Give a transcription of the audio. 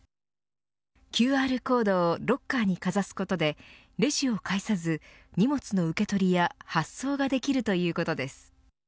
ＱＲコードをロッカーにかざすことでレジを介さず荷物の受け取りや発送ができるということです。